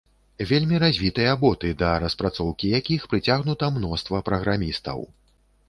Вельмі развітыя боты, да распрацоўкі якіх прыцягнута мноства праграмістаў.